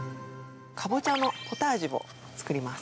カボチャのポタージュを作ります。